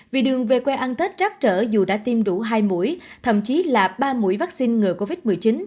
vì đường về quê ăn tết trắc trở dù đã tiêm đủ hai mũi thậm chí là ba mũi vaccine ngừa covid một mươi chín